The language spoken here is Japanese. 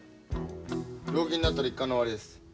病気になったら一巻の終わりです。